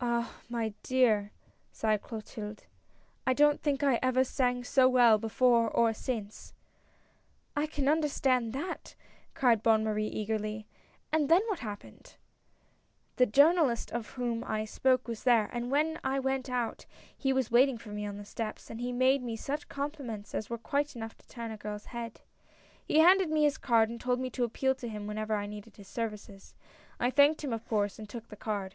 "Ah! my dear," sighed Clotilde, "I don't think I ever sang so well before or since !"" I can understand that," cried Bonne Marie eagerly ;" and then what happened ?"" The journalist of whom I spoke, was there, and when A NEW IDEA. sr I went out he was waiting for me on the steps, and he made me such compliments as were quite enough to turn a girl's head. " He handed me his card and told me to appeal to him whenever I needed his services. I thanked him of course, and took the card.